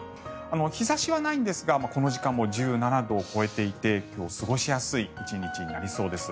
日差しはないんですがこの時間も１７度を超えていて今日、過ごしやすい１日になりそうです。